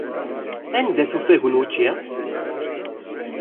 Anda-t ufagu n wučči?